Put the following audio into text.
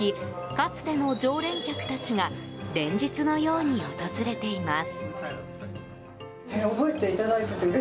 かつての常連客たちが連日のように訪れています。